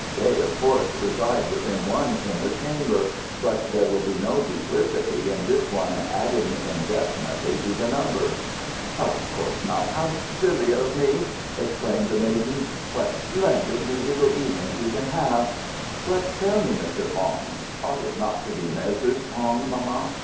"They, of course, reside within one inner chamber, but there would be no duplicity in this one adding indefinitely to the number." "Of course not; how silly of me!" exclaimed the maiden. "What splendid musical evenings you can have. But tell me, Mr. Kong (ought it not to be Messrs. Kong, mamma?)